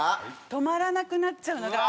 止まらなくなっちゃうのが。